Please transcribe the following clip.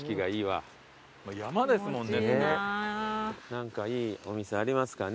何かいいお店ありますかね。